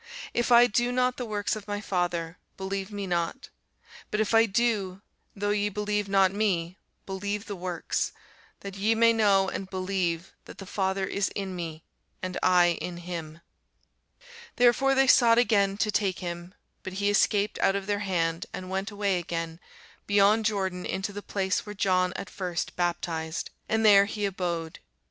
If I do not the works of my Father, believe me not. But if I do, though ye believe not me, believe the works: that ye may know, and believe, that the Father is in me, and I in him. Therefore they sought again to take him: but he escaped out of their hand, and went away again beyond Jordan into the place where John at first baptized; and there he abode.